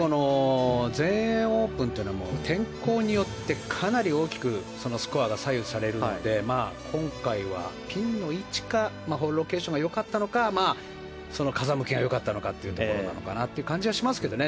全英オープンというのは天候によってかなり大きくスコアが左右されるので今回はピンの位置かロケーションが良かったのか風向きが良かったのかというところな気がしますけどね。